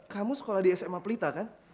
kamu sekolah di sma pelita kan